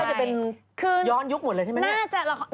น่าจะเป็นย้อนยุคหมดเลยใช่ไหม